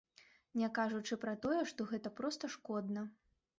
Не кажучы пра тое, што гэта проста шкодна.